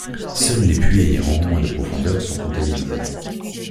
Seuls les puits ayant au moins de profondeur sont comptabilisés.